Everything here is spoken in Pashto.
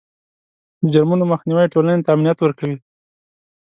د جرمونو مخنیوی ټولنې ته امنیت ورکوي.